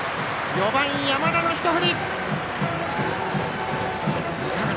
４番、山田の一振り！